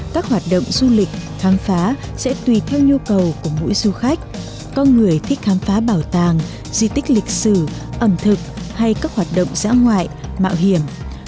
các hoạt động du lịch khám phá sẽ tùy theo nhu cầu của mỗi du khách có người thích khám phá bảo tàng di tích lịch sử ẩm thực hay các hoạt động dã ngoại mạo hiểm